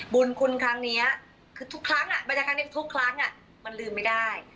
บุญคุณครั้งนี้คือทุกครั้งบรรยากาศครั้งนี้ทุกครั้งมันลืมไม่ได้